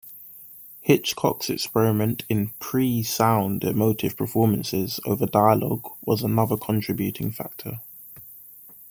Hitchcock's experiment in pre-sound emotive performances over dialogue was another contributing factor.